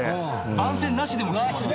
「番宣なしでも来てもらう」